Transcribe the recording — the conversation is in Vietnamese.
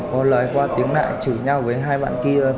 có lời qua tiếng lại chửi nhau với hai bạn kia